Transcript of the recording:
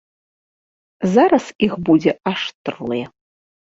Зараз іх будзе аж трое.